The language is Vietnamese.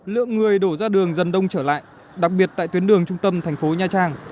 lượng người đổ ra đường dần đông trở lại đặc biệt tại tuyến đường trung tâm thành phố nha trang